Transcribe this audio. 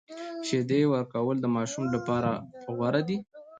شیدې ورکول د ماشوم لپاره غوره دي۔